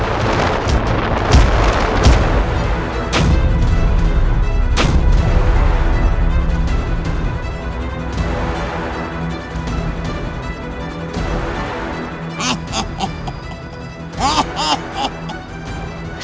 kita harus mencari yudhakara